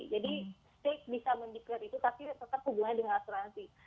jadi state bisa mendeklarasi itu tapi tetap hubungannya dengan asuransi